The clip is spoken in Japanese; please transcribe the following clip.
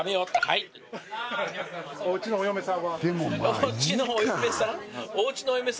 おうちのお嫁さん？